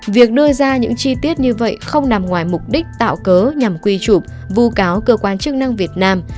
việc đưa ra những chi tiết như vậy không nằm ngoài mục đích tạo cớ nhằm quy trục vu cáo cơ quan chức năng việt nam